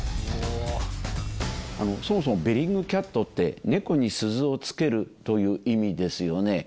そもそも、ベリングキャットって、猫に鈴をつけるという意味ですよね。